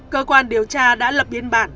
cơ quan điều tra đã lập biên bản